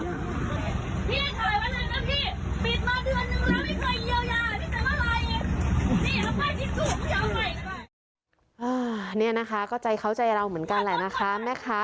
ที่เนี้ยนะคะก็ใช้เขาใจเราเหมือนกันแหละนะคะแม่คะ